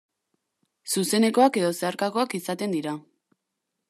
Zuzenekoak edo zeharkakoak izaten dira.